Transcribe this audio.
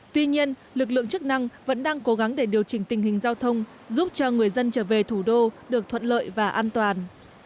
tuy nhiên lực lượng chức năng vẫn đang cố gắng để điều chỉnh tình hình giao thông giúp cho người dân trở về thủ đô được thuận lợi và an toàn